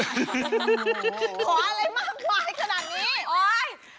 ขออะไรมากไว้ขนาดนี้